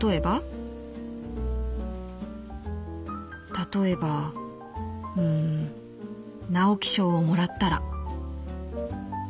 「たとえばうーん直木賞をもらったら」。